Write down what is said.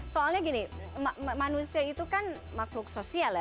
soalnya gini manusia itu kan makhluk sosial ya